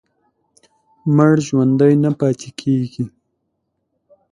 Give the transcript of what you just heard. مړ ژوندی نه پاتې کېږي.